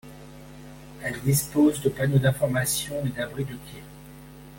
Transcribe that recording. Elle dispose de panneaux d'informations et d'abris de quais.